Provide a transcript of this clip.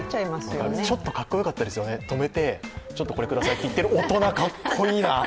ちょっと格好よかったですよね、止めて、「これください」と言ってる大人、かっこいいな。